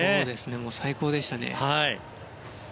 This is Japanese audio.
もう、最高でしたね。